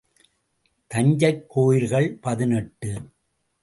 தஞ்சைக் கோயில்கள் பதினெட்டு .